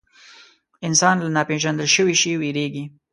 انسان له ناپېژندل شوي شي وېرېږي.